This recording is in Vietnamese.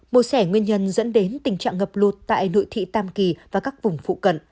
bồ xẻ nguyên nhân dẫn đến tình trạng ngập lụt tại nội thị tam kỳ và các vùng phụ cận